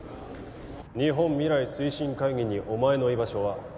日本未来推進会議にお前の居場所は